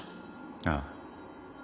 ああ。